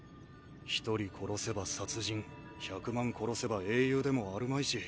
「一人殺せば殺人百万殺せば英雄」でもあるまいし。